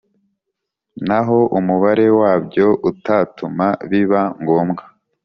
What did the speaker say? n’aho umubare wabyo utatuma biba ngombwa.